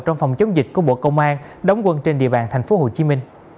trong phòng chống dịch của bộ công an đóng quân trên địa bàn tp hcm